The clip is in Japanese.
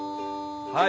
はい！